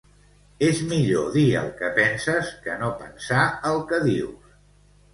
És millor dir el que penses que no pensar el que dius.